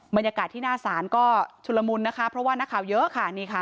บรรยากาศที่หน้าศาลก็ชุลมุนนะคะเพราะว่านักข่าวเยอะค่ะนี่ค่ะ